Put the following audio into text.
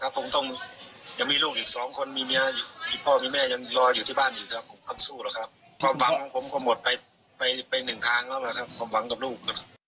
ความหวังของผมเหลือไป๑ทางแล้วครับความหวังกับลูก